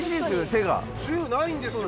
手が銃ないんですよ